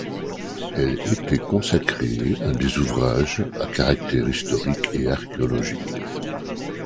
Elle était consacrée à des ouvrages à caractère historique et archéologique.